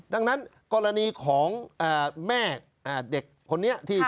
ดังนั้นกรณีของแม่เด็กคนนี้ที่